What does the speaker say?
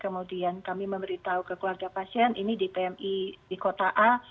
kemudian kami memberitahu ke keluarga pasien ini di pmi di kota a